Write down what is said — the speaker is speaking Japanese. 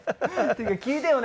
っていうか聞いてよ